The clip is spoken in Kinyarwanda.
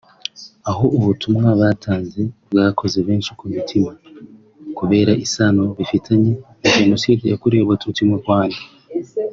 aho ubutumwa batanze bwakoze benshi ku mutima kubera isano bufitanye na Jenoside yakorewe Abatutsi mu Rwanda